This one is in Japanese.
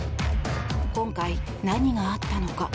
今回、何があったのか。